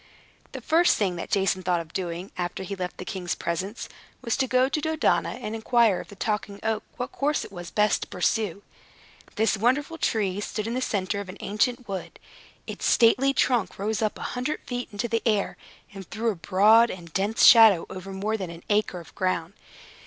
The first thing that Jason thought of doing, after he left the king's presence, was to go to Dodona, and inquire of the Talking Oak what course it was best to pursue. This wonderful tree stood in the center of an ancient wood. Its stately trunk rose up a hundred feet into the air, and threw a broad and dense shadow over more than an acre of ground.